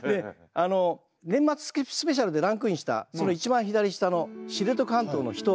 「年末スペシャル」でランクインしたその一番左下の「知床半島の秘湯」。